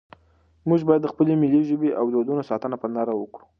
موږ باید د خپلې ملي ژبې او دودونو ساتنه په نره وکړو.